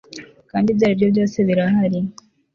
kandi ibyo aribyo byose birahari